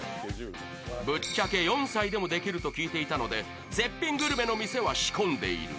ぶっちゃけ４歳でもできると聞いていたので絶品グルメの店は仕込んでいる。